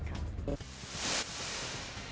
โอ้โฮ